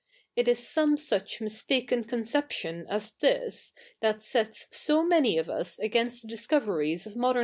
It is soffie such mistaken co?iception as this that sets so ma7iy of us agai?ist the discoveries of moder?